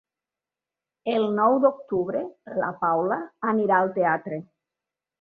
El nou d'octubre na Paula anirà al teatre.